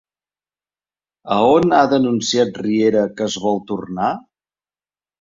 A on ha denunciat Riera que es vol tornar?